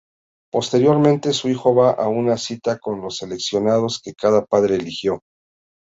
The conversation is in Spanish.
Posteriormente, su hijo va a una cita con los selecciones que cada padre eligió.